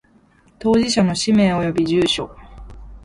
当事者の氏名及び住所